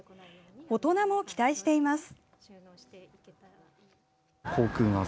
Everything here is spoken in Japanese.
大人も期待しています。